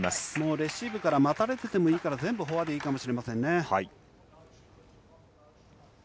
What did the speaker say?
レシーブから待たれててもいいから、全部フォアでもいいかもしれませんね。